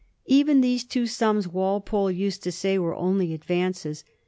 ^Even these two sums, Walpole used to say, were only advances.